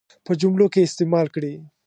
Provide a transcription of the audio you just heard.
په جملو کې استعمال کړي.